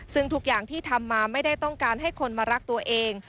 ซึ่งทุกอย่างที่ทำมาไม่ได้ต้องการให้คนมารักตัวเอง